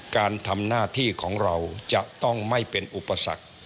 การทำหน้าที่ของเราจะต้องไม่เป็นอุปสรรค